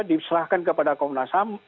diserahkan kepada komnasam